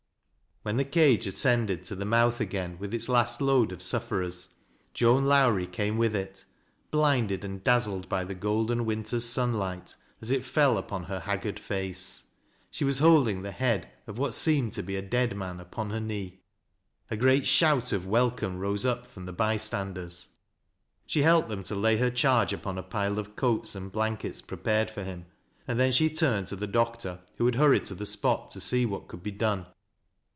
When the cage ascended to the mouth again with its last load of sufferers, Joan Lowrie came with it, blinded and dazzled by the golden winter's sunlight as it fell upon her haggard face. She was holding the head of what seemed to be a dead man upon her knee. A great shout of welcome rose up from the bystanders. She helped them to lay her charge upon a pile of coats and blankets prepared for him, and then she turned to the doctor who had hurried to the spot to see what could be done.